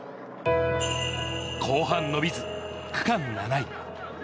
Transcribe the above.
後半伸びず、区間７位。